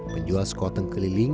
penjual sekoteng keliling